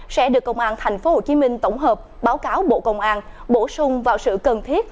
sẽ được công an tp hcm tổng hợp báo cáo bộ công an bổ sung vào sự cần thiết